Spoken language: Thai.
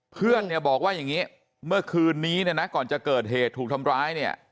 เพื่อนเนี่ยบอกว่าอย่างนี้เมื่อคืนนี้เนี่ยนะก่อนจะเกิดเหตุถูกทำร้ายเนี่ย